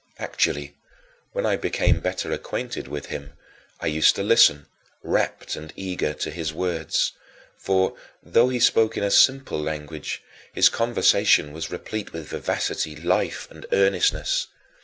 Actually when I became better acquainted with him, I used to listen, rapt and eager, to his words; for, though he spoke in simple language, his conversation was replete with vivacity, life, and earnestness.